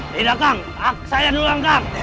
tidak kang saya duluan kang